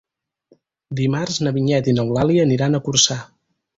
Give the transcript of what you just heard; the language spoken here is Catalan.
Dimarts na Vinyet i n'Eulàlia aniran a Corçà.